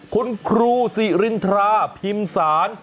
คุณครูสิรินทราพิมพ์ศาล